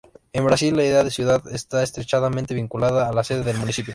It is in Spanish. En Brasil, la idea de ciudad está estrechamente vinculada a la sede del municipio.